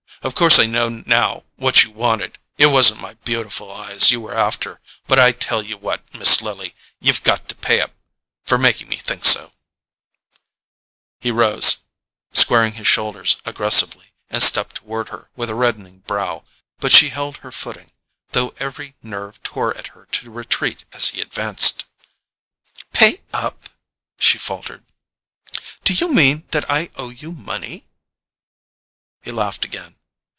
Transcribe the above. Of course I know now what you wanted—it wasn't my beautiful eyes you were after—but I tell you what, Miss Lily, you've got to pay up for making me think so——" He rose, squaring his shoulders aggressively, and stepped toward her with a reddening brow; but she held her footing, though every nerve tore at her to retreat as he advanced. "Pay up?" she faltered. "Do you mean that I owe you money?" He laughed again.